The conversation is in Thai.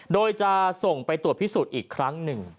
โดยจะส่งไปตรวจพิสูจน์อีกครั้งหนึ่ง